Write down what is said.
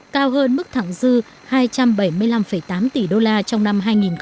cao hơn mức thẳng dư hai trăm bảy mươi năm tám tỷ đô la trong năm hai nghìn một mươi tám